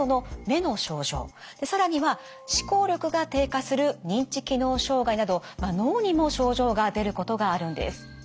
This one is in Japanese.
更には思考力が低下する認知機能障害など脳にも症状が出ることがあるんです。